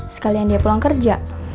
sekalian dia pulang kerja